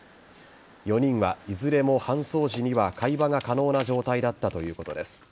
４人はいずれも搬送時には会話が可能な状態だったということです。